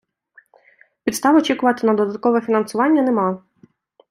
Підстав очікувати на додаткове фінансування немає.